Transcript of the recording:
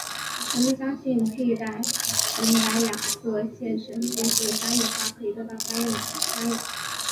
人们相信佩戴红白两色线绳编织的三月花可以得到三月奶奶的宽宥。